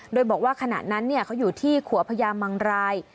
โดยบอกว่าขณะนั้นเขาอยู่ที่ขัวพญามังราย